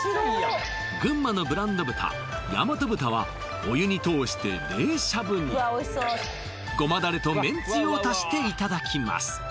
群馬のブランド豚やまと豚はお湯に通して冷しゃぶにごまだれとめんつゆを足していただきます